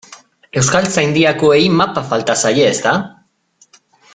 Euskaltzaindiakoei mapa falta zaie, ezta?